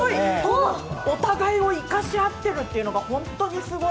互いを生かし合っているというのが、本当にすごい！